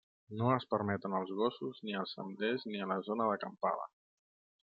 No es permeten els gossos ni als senders ni a la zona d'acampada.